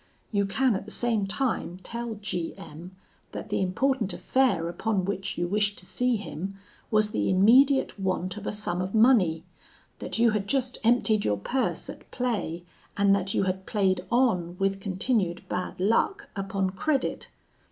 You can at the same time tell G M , that the important affair upon which you wished to see him was the immediate want of a sum of money; that you had just emptied your purse at play, and that you had played on, with continued bad luck, upon credit.